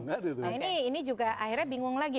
nah ini juga akhirnya bingung lagi